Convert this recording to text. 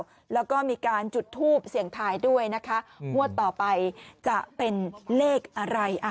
แล้วก็มีการจุดทูปเสี่ยงทายด้วยนะคะงวดต่อไปจะเป็นเลขอะไร